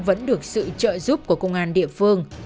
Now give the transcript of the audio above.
vẫn được sự trợ giúp của công an địa phương